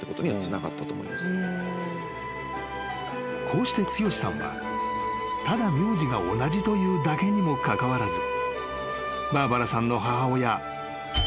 ［こうして剛志さんはただ名字が同じというだけにもかかわらず］